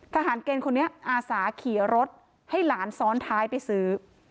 ทหารเกณฑ์คนนี้อาสาขี่รถให้หลานซ้อนท้ายไปซื้อ